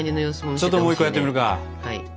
ちょっともう１個やってみるか。